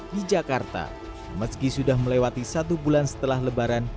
di jakarta meski sudah melewati satu bulan setelah lebaran